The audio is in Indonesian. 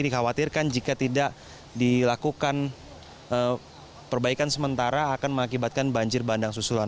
dikhawatirkan jika tidak dilakukan perbaikan sementara akan mengakibatkan banjir bandang susulan